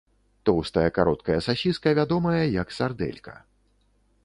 Тоўстая кароткая сасіска вядомая як сардэлька.